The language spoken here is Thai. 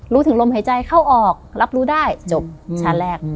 ถึงลมหายใจเข้าออกรับรู้ได้จบชั้นแรก